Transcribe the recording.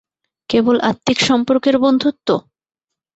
কেবল আত্মিক সম্পর্কের বন্ধুত্ব?